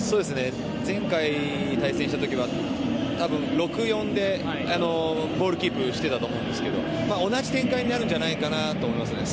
前回対戦した時は多分、６ー４でボールキープしてたと思うんですけど同じ展開になるんじゃないかなと思います。